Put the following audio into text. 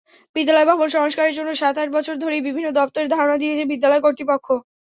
বিদ্যালয় ভবন সংস্কারের জন্য সাত–আট বছর ধরেই বিভিন্ন দপ্তরে ধরনা দিয়েছে বিদ্যালয় কর্তৃপক্ষ।